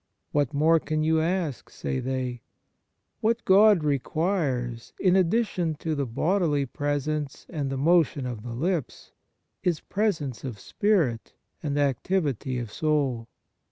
What more can you ask, say they ? What God re quires, in addition to the bodily pres ence and the motion of the lips, is presence of spirit and activity of soul.